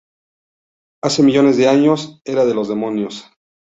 Hace millones de años: Era de los demonios.